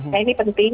nah ini penting